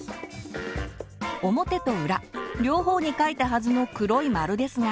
表と裏両方にかいたはずの黒い丸ですが。